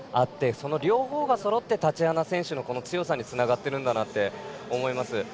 その両方がそろってタチアナ選手の強さにつながっていると思います。